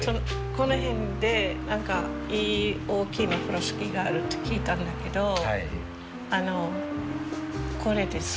この辺で何かいい大きな風呂敷があるって聞いたんだけどあのこれですか？